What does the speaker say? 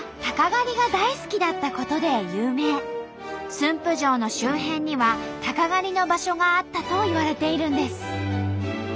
駿府城の周辺には鷹狩りの場所があったといわれているんです。